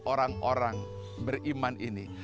orang orang beriman ini